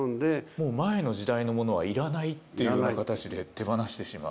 もう前の時代のものはいらないっていうような形で手放してしまう。